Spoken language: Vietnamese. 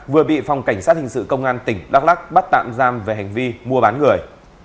vừa bị phòng cảnh sát hình sự công an tỉnh đắk lắc bắt tạm giam về hành vi mua bán người